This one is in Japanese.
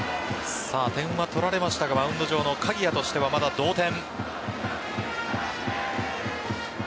点は取られましたがマウンド上の鍵谷としてはまだ同点。